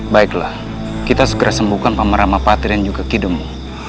baiklah kita segera sembuhkan paman ramapati dan juga kidemu